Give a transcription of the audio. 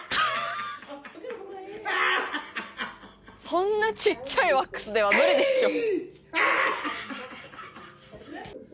そんなちっちゃいワックスでは無理でしょ。